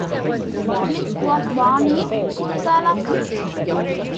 Blix was born in Uppsala, Sweden.